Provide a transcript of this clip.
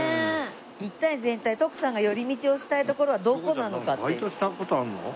一体全体徳さんが寄り道をしたい所はどこなのかっていう。